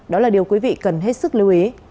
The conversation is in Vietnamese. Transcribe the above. đó là điều quý vị cần hết sức lưu ý